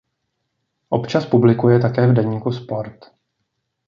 Občas publikuje také v deníku Sport.